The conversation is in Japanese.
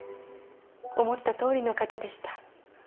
思ったとおりの方でした。